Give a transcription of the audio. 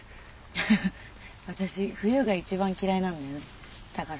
フフフ私冬が一番嫌いなんだよねだから。